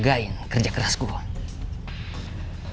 jagain kerja keras gue